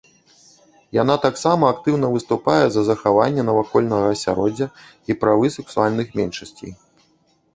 Яна таксама актыўна выступае за захаванне навакольнага асяроддзя і правы сексуальных меншасцей.